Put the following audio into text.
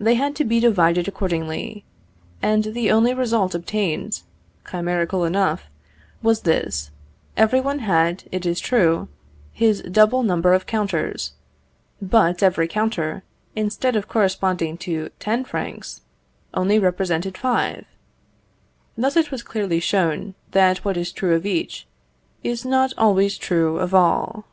They had to be divided accordingly, and the only result obtained (chimerical enough) was this; every one had, it is true, his double number of counters, but every counter, instead of corresponding to ten francs, only represented five. Thus it was clearly shown, that what is true of each, is not always true of all.